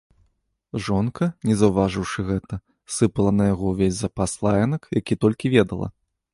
Жонка, не заўважыўшы гэта, сыпала на яго ўвесь запас лаянак, які толькі ведала.